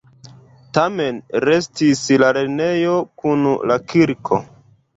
Tamen restis la lernejo kun la kirko.